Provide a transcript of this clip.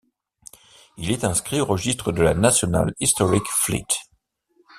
Il est inscrit au Registre de la National Historic Fleet.